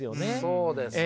そうですね。